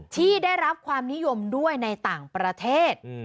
ที่ได้รับความนิยมด้วยในต่างประเทศ